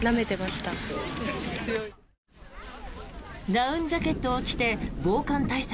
ダウンジャケットを着て防寒対策